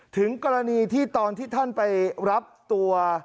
ถึงกรณีที่ตอนที่ท่านไปรับตัว